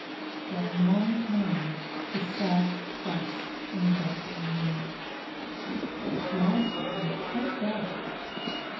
For a long time he sat thus in the darkening room. At last it grew quite dark.